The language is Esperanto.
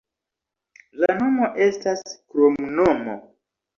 La nomo estas kromnomo.